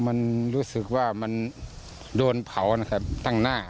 มันรู้สึกว่ามันโดนเผานะครับตั้งหน้า